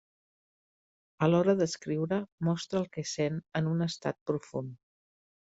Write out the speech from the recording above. A l'hora d'escriure mostra el que sent en un estat profund.